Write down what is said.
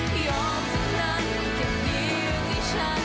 พอให้ฉัน